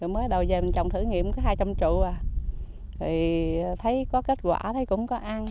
mới đầu về mình trồng thử nghiệm hai trăm linh trụ à thì thấy có kết quả thấy cũng có ăn